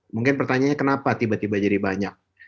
mungkin pertanyaannya kenapa tiba tiba jadi banyak